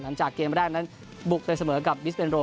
หลังจากเกมแรกนั้นบุกไปเสมอกับบิสเบนโร